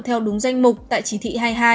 theo đúng danh mục tại chỉ thị hai mươi hai